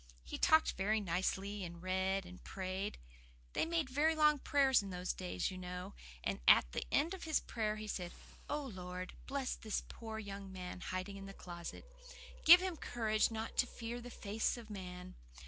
He talked very nicely, and read, and prayed. They made very long prayers in those days, you know; and at the end of his prayer he said, 'Oh Lord, bless the poor young man hiding in the closet. Give him courage not to fear the face of man.